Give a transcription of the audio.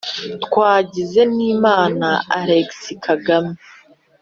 twagize n’imana alegisi kagame